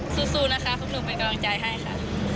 สู้นะคะพวกหนูเป็นกำลังใจให้ค่ะ